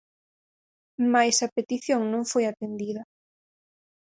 Mais a petición non foi atendida.